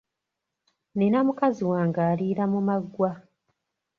Nina mukazi wange aliira mu maggwa